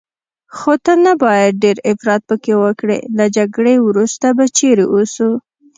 خو ته نه باید ډېر افراط پکې وکړې، له جګړې وروسته به چیرې اوسو؟